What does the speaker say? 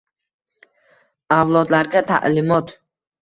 Avlodlarga ta’limot